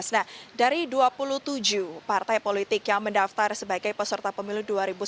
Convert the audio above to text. nah dari dua puluh tujuh partai politik yang mendaftar sebagai peserta pemilu dua ribu sembilan belas